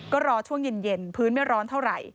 ก็รอช่วงเย็นพื้นไม่ร้อนเท่าไหร่